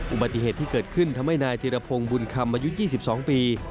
อุบัติเหตุที่เกิดขึ้นทำให้นายธิรพงศ์บุญคำอายุ๒๒ปี